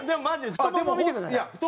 太もも見てください。